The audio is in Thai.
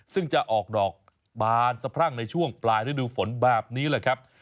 ซึ่งจะออกดอกบานสะพรั่งในช่วงปลายฤดูฝนแบบนี้แหละครับ